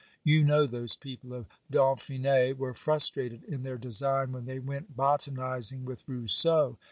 You know those people of Dauphine were frustrated in their design when they went botanising with Rousseau.